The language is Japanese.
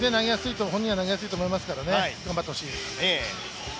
本人は投げやすいと思いますからね頑張ってほしいです。